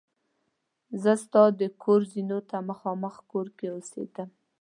زه ستا د کور زینو ته مخامخ کور کې اوسېدم.